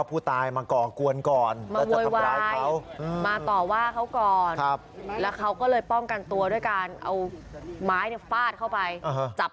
ผมมันก็ผมเลยผมก็ป้องกันตัวเลยครับ